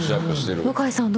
向井さん